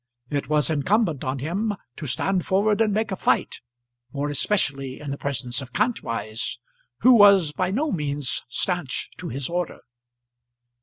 It was incumbent on him to stand forward and make a fight, more especially in the presence of Kantwise, who was by no means stanch to his order.